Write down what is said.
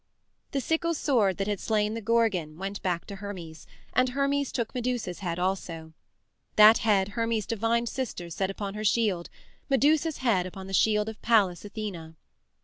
The sickle sword that had slain the Gorgon went back to Hermes, and Hermes took Medusa's head also. That head Hermes's divine sister set upon her shield Medusa's head upon the shield of Pallas Athene.